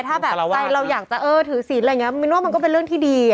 ถ้าแบบใจเราอยากจะเออถือศีลอะไรอย่างนี้มินว่ามันก็เป็นเรื่องที่ดี